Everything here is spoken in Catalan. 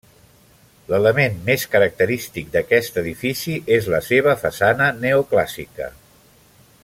L’element més característic d’aquest edifici és la seva façana neoclàssica.